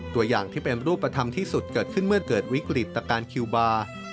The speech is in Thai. ตัวอย่างที่เป็นรูปธรรมที่สุดเกิดขึ้นเมื่อเกิดวิกฤตตะการคิวบาร์